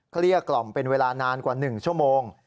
เกลี้ยกล่อมเป็นเวลานานกว่า๑ชั่วโมง